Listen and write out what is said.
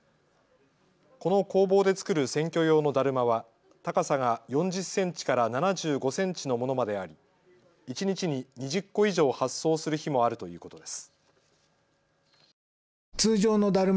この工房で作る選挙用のだるまは高さが４０センチから７５センチのものまであり一日に２０個以上発送する日もあるということです。